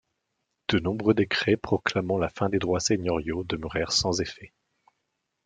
De nombreux décrets proclamant la fin des droits seigneuriaux demeurèrent sans effet.